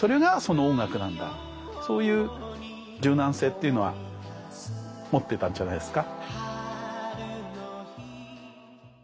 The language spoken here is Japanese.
そういう柔軟性っていうのは持っていたんじゃないですか。